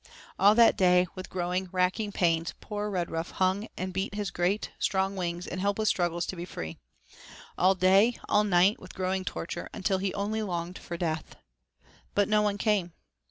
All that day, with growing, racking pains, poor Redruff hung and beat his great, strong wings in helpless struggles to be free. All day, all night, with growing torture, until he only longed for death. But no one came.